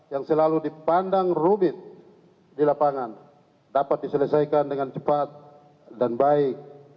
yang selalu dipandang rumit di lapangan dapat diselesaikan dengan cepat dan baik